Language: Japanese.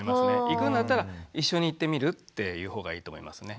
行くんだったら「一緒に行ってみる？」っていうほうがいいと思いますね。